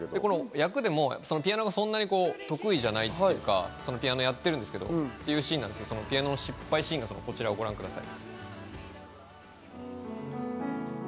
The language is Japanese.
役でも、ピアノがそんなに得意じゃないっていうか、ピアノやってるんですけどっていうシーンで、そのピアノ失敗シーンをご覧ください。